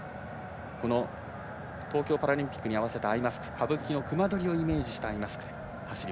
東京パラリンピックに合わせたアイマスク歌舞伎の隈取をイメージしています。